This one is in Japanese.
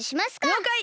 りょうかい！